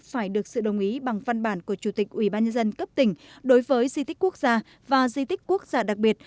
phải được sự đồng ý bằng văn bản của chủ tịch ubnd cấp tỉnh đối với di tích quốc gia và di tích quốc gia đặc biệt